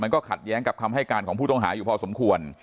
ก็ขัดแย้งกับคำให้การของผู้ต้องหาอยู่พอสมควร